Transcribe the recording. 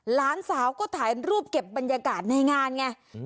หลานสาวก็ถ่ายรูปเก็บบรรยากาศในงานไง